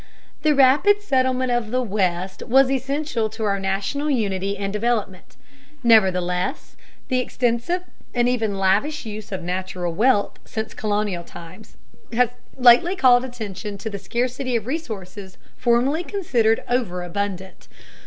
The rapid settlement of the West was essential to our national unity and development. Nevertheless, the extensive and even lavish use of natural wealth since colonial times has lately called attention to the scarcity of resources formerly considered overabundant.